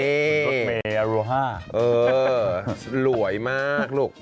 เออหลวยมากลูก